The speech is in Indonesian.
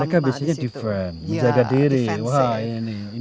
mereka biasanya defend menjaga diri wah ini kapan